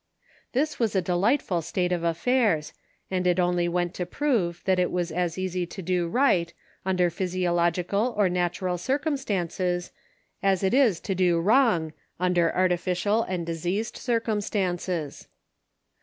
This was a delightful state of affairs, and it only went to prove that it is as easy to do right, under physiological THE CONSPIRATOES AND LOVERS. 387 or natural circumstances, as it is to do wrong, under arti ficial and diseased circumstances.